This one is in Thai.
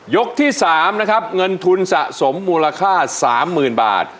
ยกที่สามนะครับเงินทุนสะสมมูลค่าสามหมื่นบาท